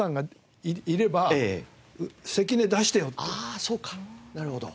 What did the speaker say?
あそうかなるほど。